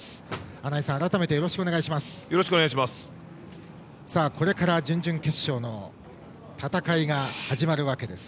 穴井さん、改めてよろしくお願いします。